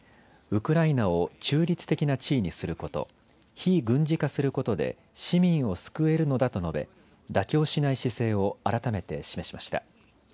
ウクライナを中立的な地位にすること非軍事化することで市民を救えるのだと述べ、妥協しない姿勢を改めて示しました。